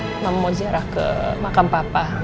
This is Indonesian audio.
mama mau ziarah ke makam papa